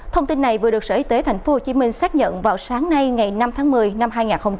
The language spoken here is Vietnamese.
thông tin này vừa được sở y tế tp hcm xác nhận vào sáng nay ngày năm tháng một mươi năm hai nghìn hai mươi ba